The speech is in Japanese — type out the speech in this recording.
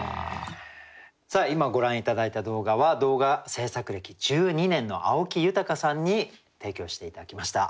今ご覧頂いた動画は動画制作歴１２年の青木豊さんに提供して頂きました。